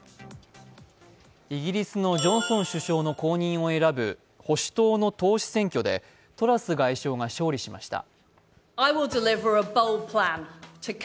イギリスのジョンソン首相の後任を選ぶ保守党の党首選挙でトラス外相が勝利しました。